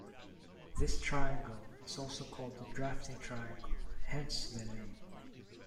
This triangle is also called a drafting triangle, hence the name.